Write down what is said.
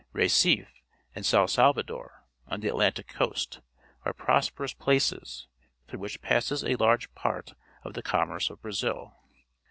Recife and Sao Salvador, on the Atlantic coast, are prosperous places, Brazil through wliich passes a large part of the commerce of Brazil.